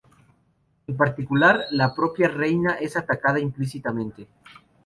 En particular, la propia reina es atacada implícitamente.